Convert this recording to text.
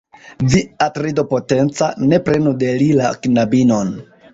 Vi, Atrido potenca, ne prenu de li la knabinon.